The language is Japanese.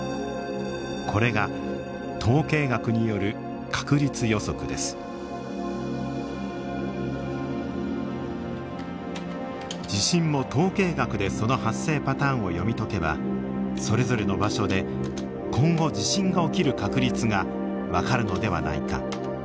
これが地震も統計学でその発生パターンを読み解けばそれぞれの場所で今後地震が起きる確率が分かるのではないか。